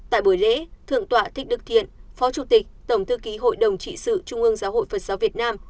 tại buổi lễ thượng tọa thích đức thiện phó chủ tịch tổng thư ký hội đồng trị sự trung ương giáo hội phật giáo việt nam